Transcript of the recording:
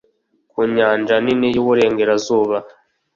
ku Nyanja Nini y iburengerazuba